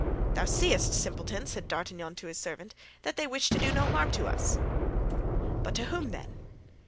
"Thou seest, simpleton," said D'Artagnan to his servant, "that they wished no harm to us." "But to whom, then?"